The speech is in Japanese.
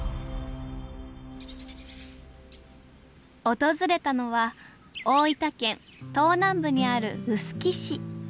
訪れたのは大分県東南部にある臼杵市。